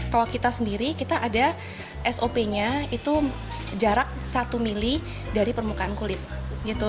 kalau kita sendiri kita ada sop nya itu jarak satu mili dari permukaan kulit gitu